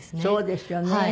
そうですよね。